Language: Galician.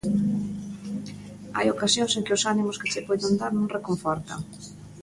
Hai ocasións en que os ánimos que che poidan dar, non reconfortan.